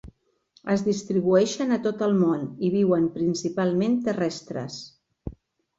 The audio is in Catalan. Es distribueixen a tot el món i viuen principalment terrestres.